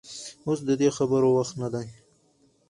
اوس د دې خبرو وخت نه دى.